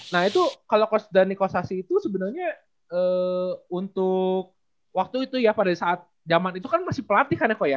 nah itu kalau coach dhani coach sasyi itu sebenernya untuk waktu itu ya pada saat jaman itu kan masih pelatih kan ya kok ya